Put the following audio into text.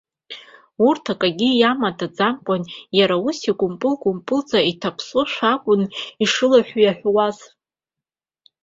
Урҭ акагьы иамадаӡамкәа иара ус икәымпыл-кәымпылӡа иҭаԥсоушәа акәын ишылаҳәыҩаҳәуаз.